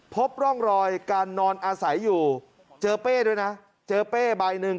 พบร่องรอยการนอนอาศัยอยู่เจอเป้ด้วยนะเจอเป้ใบหนึ่ง